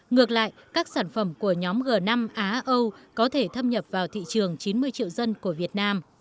ngược lại các sản phẩm của nhóm g năm á âu có thể thâm nhập vào thị trường chín mươi triệu dân của việt nam